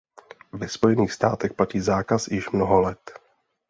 Ve Spojených státech platí zákaz již mnoho let.